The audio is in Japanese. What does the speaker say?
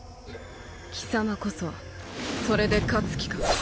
貴様こそそれで勝つ気か？